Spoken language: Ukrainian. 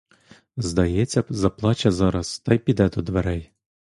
Здається, заплаче зараз та й піде до дверей.